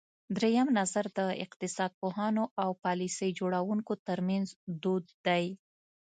درېیم نظر د اقتصاد پوهانو او پالیسۍ جوړوونکو ترمنځ دود دی.